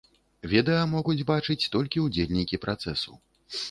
Відэа могуць бачыць толькі ўдзельнікі працэсу.